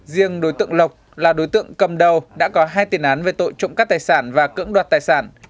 riêng đối tượng lộc là đối tượng cầm đầu đã có hai tiền án về tội trộm cắt tài sản và cưỡng đoạt tài sản